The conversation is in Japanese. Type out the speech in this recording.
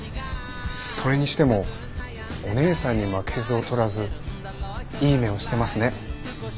それにしてもお姉さんに負けず劣らずいい目をしてますね。